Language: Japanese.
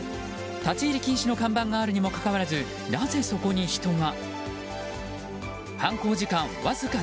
立ち入り禁止の看板があるにもかかわらずなぜ、そこに人が。